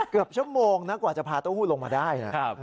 เกือบชั่วโมงนะกว่าจะพาเต้าหู้ลงมาได้นะ